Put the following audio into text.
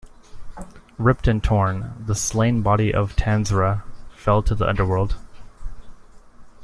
Ripped and torn, the slain body of Tanzra fell to the underworld.